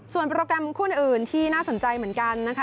ส่วนโปรแกรมคู่อื่นที่น่าสนใจเหมือนกันนะคะ